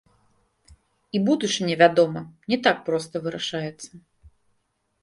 І будучыня, вядома, не так проста вырашаецца.